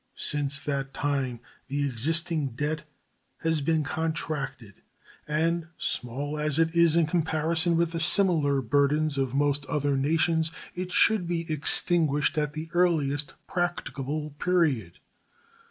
Since that time the existing debt has been contracted, and, small as it is in comparison with the similar burdens of most other nations, it should be extinguished at the earliest practicable period.